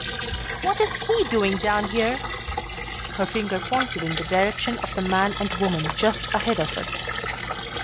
"What is he doing down here?" Her finger pointed in the direction of the man and woman just ahead of us.